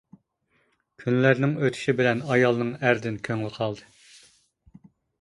كۈنلەرنىڭ ئۆتىشى بىلەن ئايالنىڭ ئەردىن كۆڭلى قالدى.